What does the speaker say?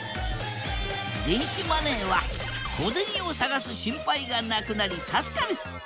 電子マネーは小銭を探す心配がなくなり助かる。